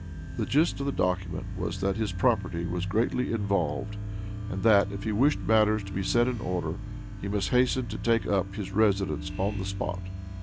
The gist of the document was that his property was greatly involved, and that, if he wished matters to be set in order, he must hasten to take up his residence on the spot.